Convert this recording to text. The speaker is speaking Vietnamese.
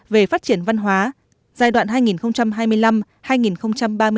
về phát triển văn hóa giai đoạn hai nghìn hai mươi năm hai nghìn ba mươi năm